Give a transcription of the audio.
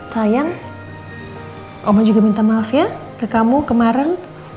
sayang mama juga minta maaf ya ke kamu kemaren